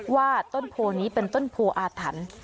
ว่าต้นโพนี้เป็นต้นโพออาถรรพ์